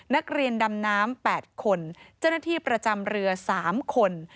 นักเรียนดำน้ำ๘คนเจ้าหน้าที่ประจำเรือ๓คน